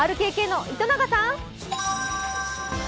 ＲＫＫの糸永さん。